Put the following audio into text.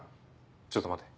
ちょっと待て。